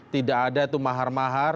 tidak ada itu mahar mahar